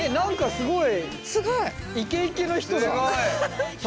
すごい。